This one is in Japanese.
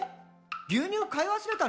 牛乳買い忘れたの？」